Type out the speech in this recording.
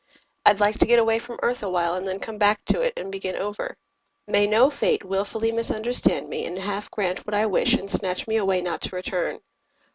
I'd like to get away from earth awhile And then come back to it and begin over. May no fate willfully misunderstand me And half grant what I wish and snatch me away Not to return.